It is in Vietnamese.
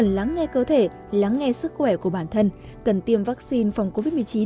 lắng nghe cơ thể lắng nghe sức khỏe của bản thân cần tiêm vaccine phòng covid một mươi chín